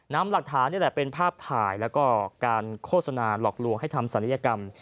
นำหลักฐานนี่แหละเป็นภาพถ่ายแล้วก็การโฆษณาหลอกลวงให้ทำศัลยกรรม